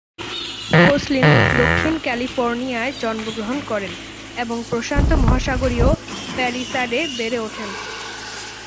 কোসলিন দক্ষিণ ক্যালিফোর্নিয়ায় জন্মগ্রহণ করেন এবং প্রশান্ত মহাসাগরীয় প্যালিসাডে বেড়ে ওঠেন।